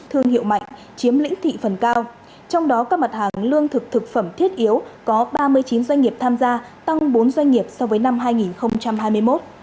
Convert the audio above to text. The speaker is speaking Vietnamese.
thương hiệu mạnh chiếm lĩnh thị phần cao trong đó các mặt hàng lương thực thực phẩm thiết yếu có ba mươi chín doanh nghiệp tham gia tăng bốn doanh nghiệp so với năm hai nghìn hai mươi một